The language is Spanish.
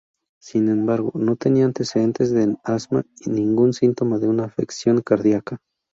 Sin embargo, no tenía antecedentes de asma ni ningún síntoma de una afección cardíaca.